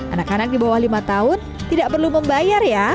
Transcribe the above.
anak anak di bawah lima tahun tidak perlu membayar ya